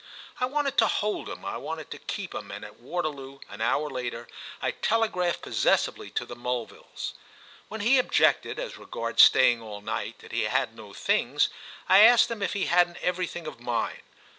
I wanted to hold him, I wanted to keep him, and at Waterloo, an hour later, I telegraphed possessively to the Mulvilles. When he objected, as regards staying all night, that he had no things, I asked him if he hadn't everything of mine.